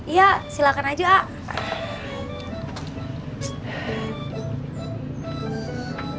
iya silakan aja pak